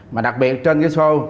mà đặc biệt trên cái xô